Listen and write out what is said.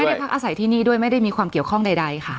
ได้พักอาศัยที่นี่ด้วยไม่ได้มีความเกี่ยวข้องใดค่ะ